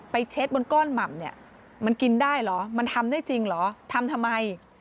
เช็ดบนก้อนหม่ำเนี่ยมันกินได้เหรอมันทำได้จริงเหรอทำทำไม